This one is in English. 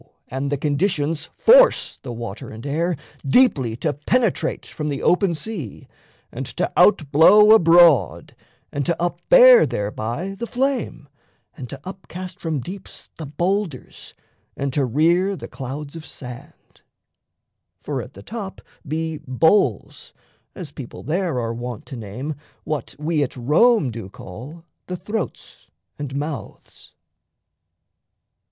And the conditions force [the water and air] Deeply to penetrate from the open sea, And to out blow abroad, and to up bear Thereby the flame, and to up cast from deeps The boulders, and to rear the clouds of sand. For at the top be "bowls," as people there Are wont to name what we at Rome do call The throats and mouths.